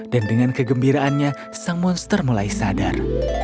dan dengan kegembiraannya sang monster mulai sadar